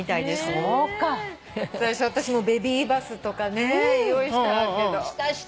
最初私もベビーバスとか用意したけど。